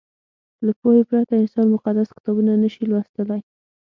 له پوهې پرته انسان مقدس کتابونه نه شي لوستلی.